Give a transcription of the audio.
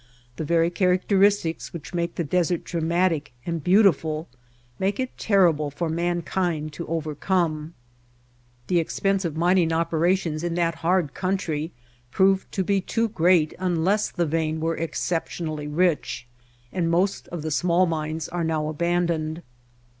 The very characteristics which make the desert dramatic and beautiful make it ter rible for mankind to overcome. The expense of mining operations in that hard country proved to be too great unless the vein were exceptionally rich, and most of the small mines are now aban [S4] The White Heart doned.